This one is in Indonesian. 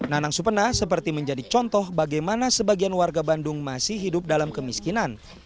nanang supena seperti menjadi contoh bagaimana sebagian warga bandung masih hidup dalam kemiskinan